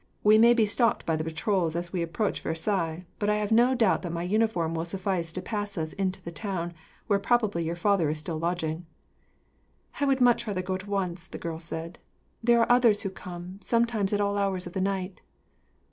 We may be stopped by the patrols, as we approach Versailles, but I have no doubt that my uniform will suffice to pass us into the town, where probably your father is still lodging." "I would much rather go at once," the girl said. "There are others who come, sometimes at all hours of the night."